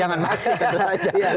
jangan masjid itu saja